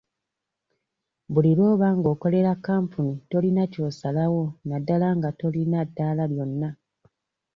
Buli lw'oba ng'okolera kampuni tolina ky'osalawo naddala nga tolina ddaala lyonna.